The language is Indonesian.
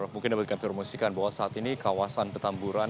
mungkin dapatkan informasi bahwa saat ini kawasan petamburan